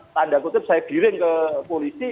tanda kutip saya giring ke polisi